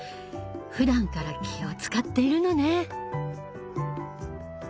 ふだんから気を遣っているのね。